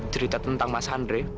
cerita tentang mas andre